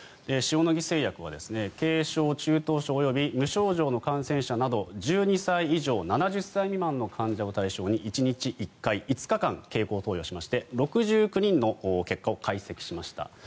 塩野義製薬は軽症・中等症及び無症状の感染者など１２歳以上７０歳未満の患者を対象に１日１回５日間経口投与しまして６９人の結果を解析しました。